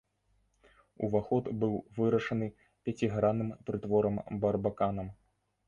Уваход быў вырашаны пяцігранным прытворам-барбаканам.